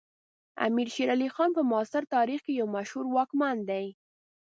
امیر شیر علی خان په معاصر تاریخ کې یو مشهور واکمن دی.